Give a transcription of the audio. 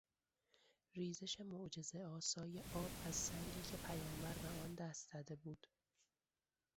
ریزش معجرهآسای آب از سنگی که پیامبر به آن دست زده بود.